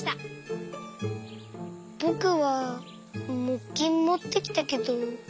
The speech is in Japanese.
ぼくはもっきんもってきたけど。